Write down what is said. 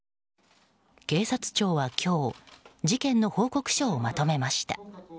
警察庁は今日事件の報告書をまとめました。